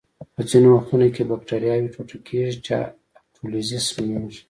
په ځینو وختونو کې بکټریاوې ټوټه کیږي چې اټولیزس نومېږي.